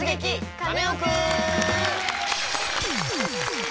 カネオくん」！